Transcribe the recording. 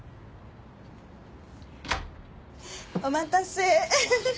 お待たせ！